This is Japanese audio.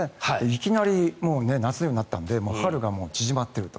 いきなり夏になったので春が縮まっていると。